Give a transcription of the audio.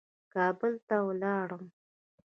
کابل ته ولاړم.